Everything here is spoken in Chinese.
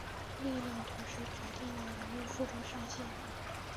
力量同时决定了人物负重上限。